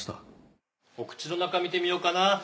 お口の中見てみようかな